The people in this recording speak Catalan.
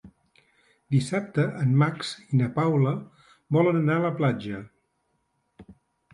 Dissabte en Max i na Paula volen anar a la platja.